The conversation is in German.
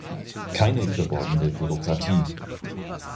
Keine überbordende Bürokratie!